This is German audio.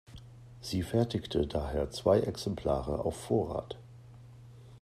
Sie fertigte daher zwei Exemplare auf Vorrat.